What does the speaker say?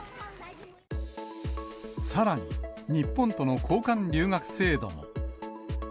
さらに、日本との交換留学制度も。